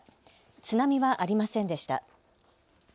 津波はありませんでした。